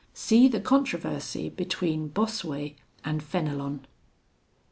See the controversy between Bossuet and Fenelon.